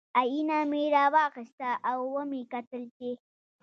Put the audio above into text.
ائینه مې را واخیسته او ومې کتل چې